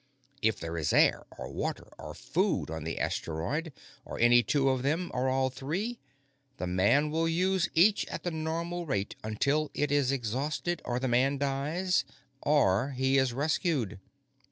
If there is air, or water, or food on the asteroid, or any two of them or all three, the man will use each at the normal rate until it is exhausted, or the man dies, or he is rescued.